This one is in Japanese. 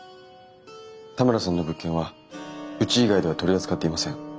田村さんの物件はうち以外では取り扱っていません。